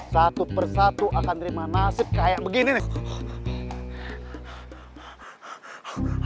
satu persatu akan terima nasib kayak begini nih